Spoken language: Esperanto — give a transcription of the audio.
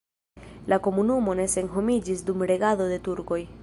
La komunumo ne senhomiĝis dum regado de turkoj.